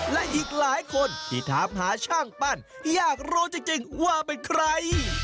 และอีกหลายคนที่ถามหาช่างปั้นอยากรู้จริงว่าเป็นใคร